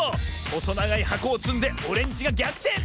ほそながいはこをつんでオレンジがぎゃくてん！